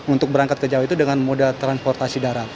untuk berangkat ke jawa itu dengan moda transportasi darat